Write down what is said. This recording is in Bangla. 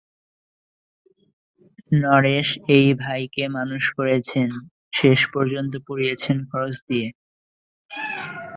নরেশ এই ভাইকে মানুষ করেছেন, শেষ পর্যন্ত পড়িয়েছেন খরচ দিয়ে।